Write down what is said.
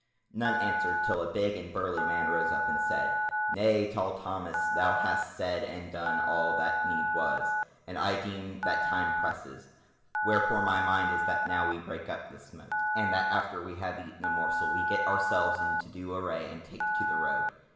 None answered till a big and burly man rose up and said: "Nay, Tall Thomas, thou hast said and done all that need was, and I deem that time presses; wherefore my mind is that we now break up this mote, and that after we have eaten a morsel we get ourselves into due array and take to the road.